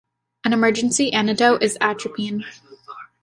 An emergency antidote is atropine.